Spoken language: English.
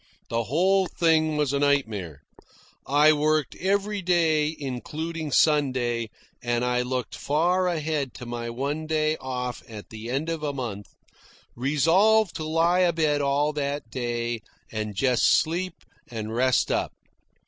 The whole thing was a nightmare. I worked every day, including Sunday, and I looked far ahead to my one day off at the end of a month, resolved to lie abed all that day and just sleep and rest up.